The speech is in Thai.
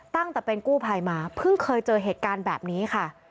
ตั้งแต่เป็นกู้ภัยมาเพิ่งเคยเจอเหตุการณ์แบบนี้ค่ะ